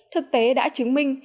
thực tế đã chứng minh